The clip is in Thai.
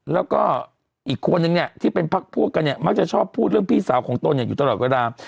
แล้วก็อีกคนนึงเนี่ยที่เป็นพักพวกกันเนี่ยมักจะชอบพูดเรื่องพี่สาวของตนเนี่ยอยู่ตลอดเวลา